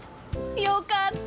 よかった！